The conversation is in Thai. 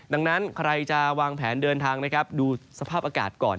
ดังนั้นใครจะวางแผนเดินทางนะครับดูสภาพอากาศก่อน